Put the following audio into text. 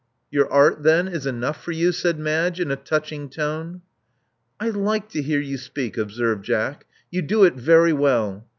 Your art, then, is enough for you," said Madge, in a touching tone. I like to hear you speak,*' observed Jack: you do it very well.